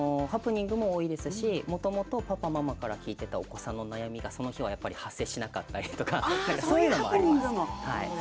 ハプニングも多いですし、もともとパパ、ママから聞いてたお子さんの悩みがその日は発生しなかったりとかそういうこともあります。